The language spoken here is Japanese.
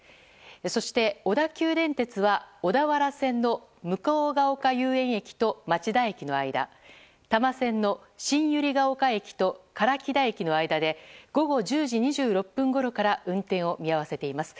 そして、小田急電鉄は小田原線の向ヶ丘遊園駅と町田駅の間多摩線の新百合ヶ丘駅と唐木田駅の間で午後１０時２６分ごろから運転を見合わせています。